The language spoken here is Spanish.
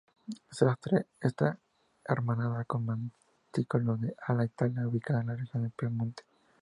Sastre está hermanada con Monticello D'Alba en Italia, ubicada en la región del Piemonte.